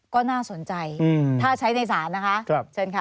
ก็น่าสนใจถ้าใช้ในศาลนะคะเชิญค่ะ